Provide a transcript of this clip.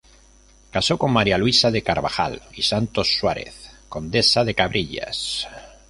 Casó con María Luisa de Carvajal y Santos-Suárez, condesa de Cabrillas.